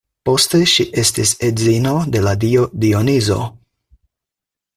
Poste ŝi estis edzino de la dio Dionizo.